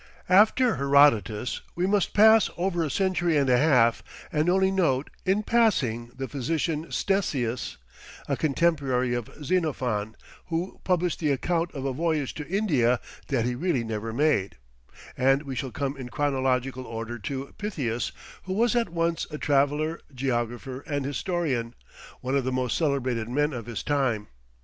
After Herodotus we must pass over a century and a half, and only note, in passing, the Physician Ctesias, a contemporary of Xenophon, who published the account of a voyage to India that he really never made; and we shall come in chronological order to Pytheas, who was at once a traveller, geographer, and historian, one of the most celebrated men of his time.